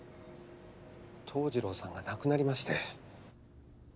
桃次郎さんが亡くなりまして。